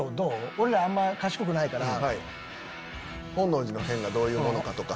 俺らあんま賢くないから。がどういうものかとか。